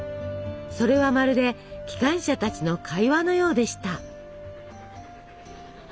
それはまるで機関車たちの会話のようでした。